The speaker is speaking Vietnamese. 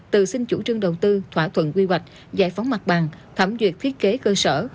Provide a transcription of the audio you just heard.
từ xin chủ trương đầu tư thỏa thuận quy hoạch giải phóng mặt bằng thẩm duyệt thiết kế cơ sở